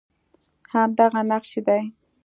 همدغه نقش یې دی